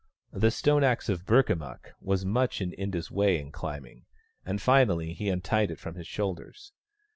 The stone axe of Burkamukk was much in Inda's way in climbing, and finally he untied it from his shoulders.